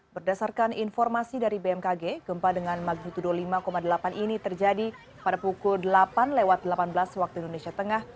berdasarkan informasi dari bmkg gempa dengan magnitudo lima delapan ini terjadi pada pukul delapan lewat delapan belas waktu indonesia tengah